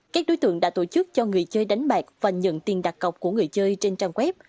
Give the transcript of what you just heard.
các đối tượng đã tổ chức cho người chơi đánh bạc và nhận tiền đặt cọc của người chơi trên trang web